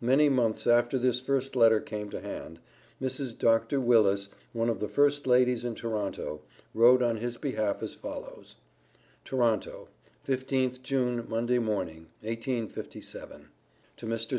Many months after this first letter came to hand, Mrs. Dr. Willis, one of the first ladies in Toronto, wrote on his behalf as follows: TORONTO, 15th June, Monday morning, 1857. To MR.